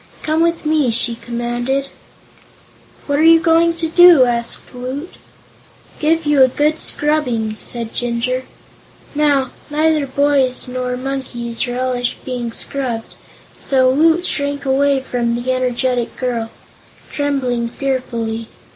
Come with me!" she commanded. "What are you going to do?" asked Woot. "Give you a good scrubbing," said Jinjur. Now, neither boys nor monkeys relish being scrubbed, so Woot shrank away from the energetic girl, trembling fearfully.